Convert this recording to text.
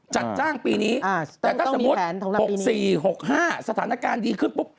จัดจ้างปีนี้แต่ถ้าสมมุติ๖๔๖๕สถานการณ์ดีขึ้นปุ๊บ